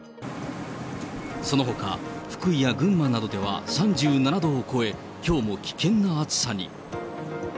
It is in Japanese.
そのほか、福井や群馬などでも３７度を超え、きょうも危険な暑さに。